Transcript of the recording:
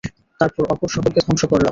তারপর অপর সকলকে ধ্বংস করলাম।